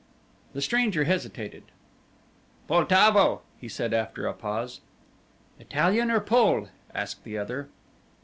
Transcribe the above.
The stranger hesitated. "Poltavo," he said after a pause. "Italian or Pole?" asked the other.